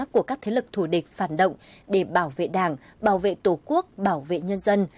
của các thế lực thù địch phản động để bảo vệ đảng bảo vệ tổ quốc bảo vệ nhân dân